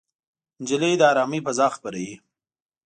نجلۍ د ارامۍ فضا خپروي.